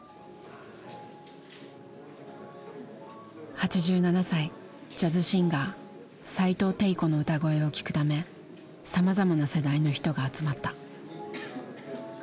８７歳ジャズシンガー齋藤悌子の歌声を聴くためさまざまな世代の人が集まった。